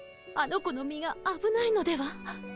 あの子の身があぶないのでは？